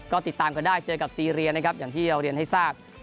ก็ติดตามกันได้เจอกับซีเรียนะครับอย่างที่เราเรียนให้ทราบ